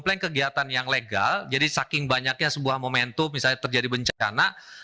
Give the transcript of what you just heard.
plan kegiatan yang legal jadi saking banyaknya sebuah momentum misalnya terjadi bencana